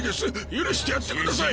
許してやってください